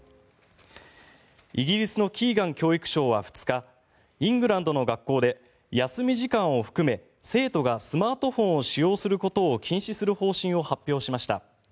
イギリスのキーガン教育相は２日イングランドの学校で休み時間を含め生徒がスマートフォンを使用することを禁止する方針を発表しました。